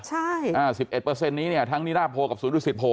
ชี้ขาดได้เลยนะ๑๑เปอร์เซ็นต์นี้ทั้งนิดาโพลกับศูนย์ศูนย์ศิษย์โพล